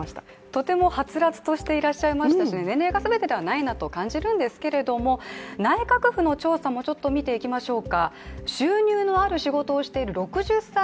とてもはつらつとしていらっしゃいましたし年齢が全てじゃないんですけれども内閣府の調査も見ていきましょう。